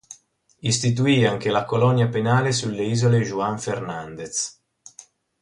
Istituì anche la colonia penale sulle isole Juan Fernández.